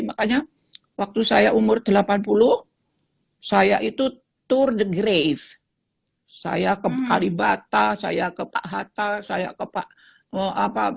makanya waktu saya umur delapan puluh saya itu tour de grave saya ke kalibata saya ke pak hatta saya ke pak apa